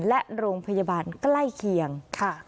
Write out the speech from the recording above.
และโรงพยาบาลใกล้เคียง